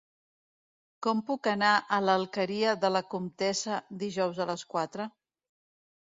Com puc anar a l'Alqueria de la Comtessa dijous a les quatre?